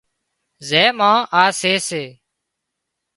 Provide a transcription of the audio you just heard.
زين مان آ سي سي